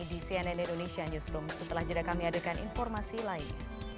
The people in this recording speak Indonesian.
di cnn indonesia newsroom setelah jeda kami hadirkan informasi lain